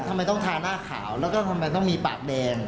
ทำไมต้องทาหน้าขาวแล้วก็ทำไมต้องมีปากแดง